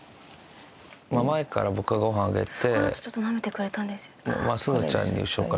前から僕がご飯あげて。